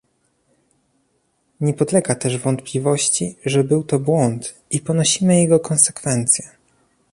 Nie podlega też wątpliwości, że był to błąd, i ponosimy jego konsekwencje